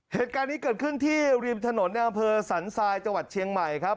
เหตุการณ์นี้เกิดขึ้นที่ริมถนนในอำเภอสันทรายจังหวัดเชียงใหม่ครับ